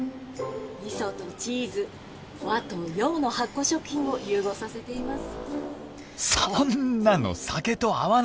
味噌とチーズ和と洋の発酵食品を融合させています